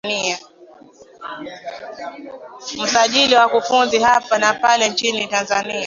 msajili na wakufunzi hapa na pale nchini tanzania